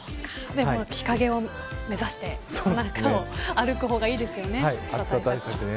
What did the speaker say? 日陰を目指して歩く方がいいですよね。